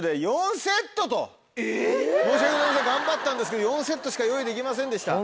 申し訳ございません頑張ったんですけど４セットしか用意できませんでした。